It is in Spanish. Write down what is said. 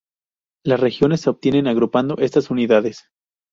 Las regiones se obtienen agrupando estas unidades.